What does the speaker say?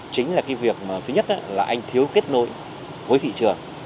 chính là việc thứ nhất là anh thiếu kết nối với thị trường